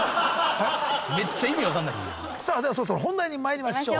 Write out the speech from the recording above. さあではそろそろ本題にまいりましょう。